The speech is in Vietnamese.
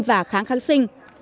và kháng kháng sinh